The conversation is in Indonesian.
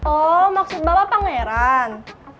oh maksud bapak pangeran